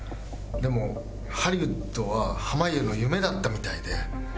でもハリウッドは濱家の夢だったみたいで。